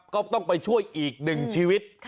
ก็ต้องไปช่วยอีกหนึ่งชีวิต